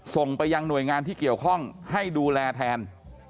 ส่งไปยังหน่วยงานที่เกี่ยวข้องให้ดูแลแทน